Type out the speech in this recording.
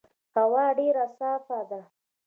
هوا ډېر صافه ده.